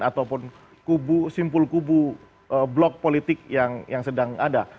ataupun simpul kubu blok politik yang sedang ada